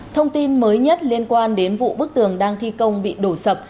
thông tin mới nhất liên quan đến vụ bức tường đang thi công bị đổ sập